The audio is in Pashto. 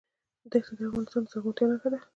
دښتې د افغانستان د زرغونتیا نښه ده.